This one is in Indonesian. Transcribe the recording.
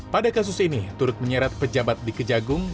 pada kasus ini turut menyeret pejabat di kejagung